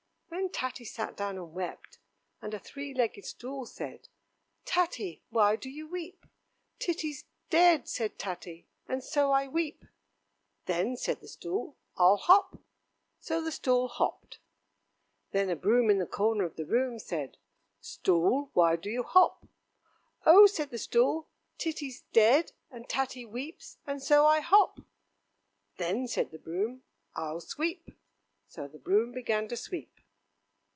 Then Tatty sat down and wept, and a three legged stool said: "Tatty, why do you weep?" "Titty's dead," said Tatty, "and so I weep." "Then," said the stool, "I'll hop." So the stool hopped. Then a broom in the corner of the room said: "Stool, why do you hop?" "Oh!" said the stool, "Titty's dead, and Tatty weeps, and so I hop." "Then," said the broom, "I'll sweep." So the broom began to sweep.